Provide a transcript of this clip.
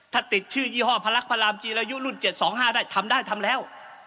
ถ้าติดชื่อยี่ห้อพระลักษณ์พระรามจีลายุรุ่นเจ็ดสองห้าได้ทำได้ทำแล้ว